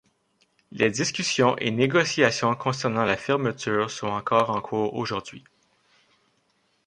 Les discussions et négociations concernant la fermeture sont encore en cours aujourd'hui.